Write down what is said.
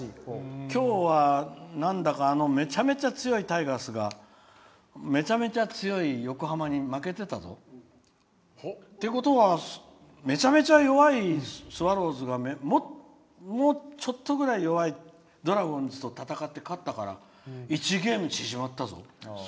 今日は、なんだかめちゃくちゃ強いタイガースがめちゃめちゃ強い横浜に負けてたぞ。ということはめちゃめちゃ弱いスワローズがもうちょっとぐらい弱いドラゴンズと戦って勝ったから１ゲーム縮まったぞ。